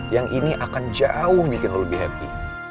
yang ini akan jauh bikin lebih happy